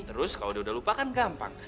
terus kalau dia udah lupa kan gampang